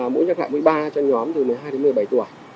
mũ nhắc lại một mươi ba cho nhóm từ một mươi hai một mươi bảy tuổi